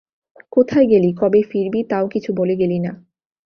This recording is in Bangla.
কোথায় গেলি কবে ফিরবি তাও কিছু বলে গেলি না।